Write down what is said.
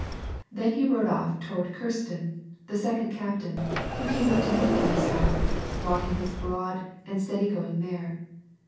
Then he rode off towai d' Xitsten, the second captain, who came up to meet Dehisof, walfahg his broad and steady going mare.